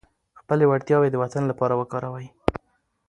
خپلې وړتیاوې د وطن لپاره وکاروئ.